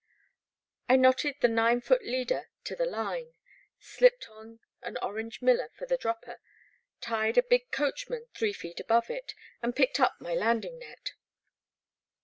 I knotted the nine foot leader to the line, slipped on an orange miller for a dropper, tied a big coachman three feet above it, and picked up my landing net.